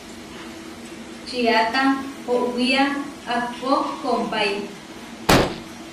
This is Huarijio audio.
Čiata oʼwía ahpó kompáe.